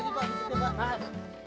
dimana pak bijitin pak